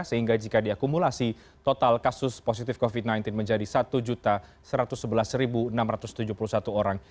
sehingga jika diakumulasi total kasus positif covid sembilan belas menjadi satu satu ratus sebelas enam ratus tujuh puluh satu orang